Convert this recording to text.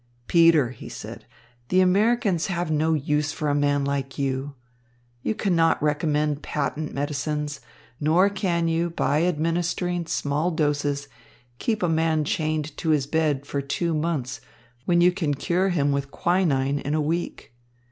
"Peter," he said, "the Americans have no use for a man like you. You cannot recommend patent medicines, nor can you by administering small doses keep a man chained to his bed for two months when you can cure him with quinine in a week.